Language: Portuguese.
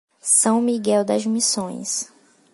São Miguel das Missões